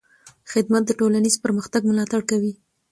خدمت د ټولنیز پرمختګ ملاتړ کوي.